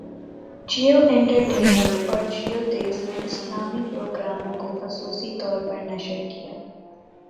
Jio entertainment اور جیو تیز نے اسلامی پروگراموں کو خصوصی طور پر نشر کیا